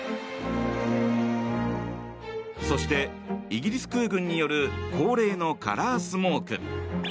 そして、イギリス空軍による恒例のカラースモーク。